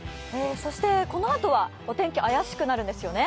このあとはお天気怪しくなるんですよね？